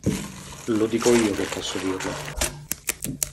Lo dico io che posso dirlo.